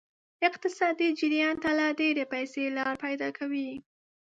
اقتصادي جریان ته لا ډیرې پیسې لار پیدا کوي.